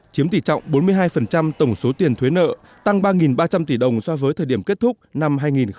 chiếm tỷ trọng bốn mươi hai tổng số tiền thuế nợ tăng ba ba trăm linh tỷ đồng so với thời điểm kết thúc năm hai nghìn một mươi bảy